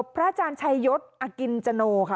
พระอาจารย์ชัยศอากินจโน่ค่ะ